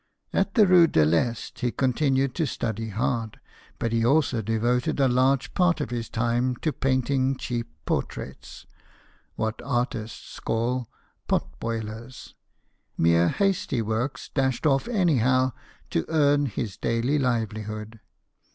At the Rue de 1'Est, he continued to study hard, but he also devoted a large part of his time to painting cheap portraits what artists call " pot boilers ;" mere hasty works dashed off anyhow to earn his daily livelihood.